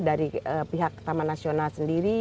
dari pihak taman nasional sendiri